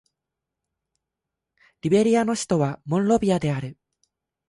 リベリアの首都はモンロビアである